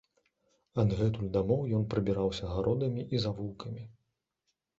Адгэтуль дамоў ён прабіраўся гародамі і завулкамі.